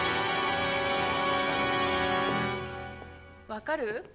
分かる？